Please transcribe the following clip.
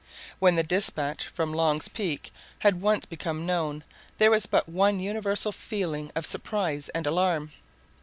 When the dispatch from Long's Peak had once become known, there was but one universal feeling of surprise and alarm.